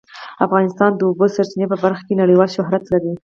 افغانستان د د اوبو سرچینې په برخه کې نړیوال شهرت لري.